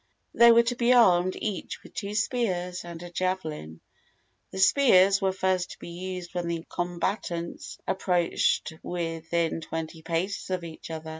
They were to be armed each with two spears and a javelin. The spears were first to be used when the combatants approached within twenty paces of each other.